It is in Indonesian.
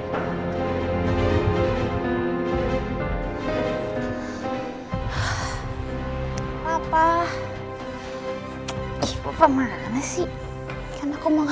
gimana sih nih orang katanya ketinggalan di rumah berani beraninya dia bohong sekarang